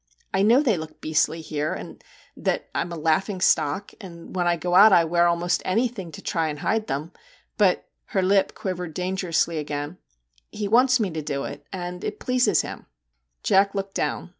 I know they look beastly here, and that I 'm a laughing stock, and when I go out I wear almost anything to try and hide them ; but/ her lip quivered dangerously again, 'he wants me to do it, and it pleases him/ Jack looked down.